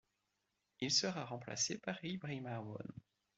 Il sera remplacé par Ibrahima Wone.